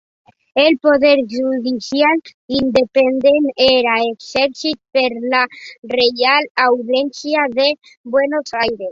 El Poder Judicial, independent, era exercit per la Reial audiència de Buenos Aires.